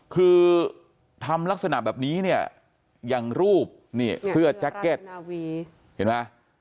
คือทำลักษณะแบบนี้เนี่ยอย่างรูปนี่เสื้อแจ็คเก็ตเห็นไหม